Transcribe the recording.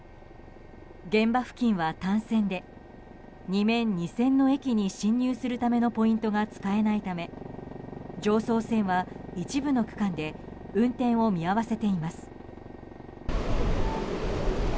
現場付近は単線で２面２線の駅に進入するためのポイントが使えないため常総線は一部の区間で運転を見合わせています。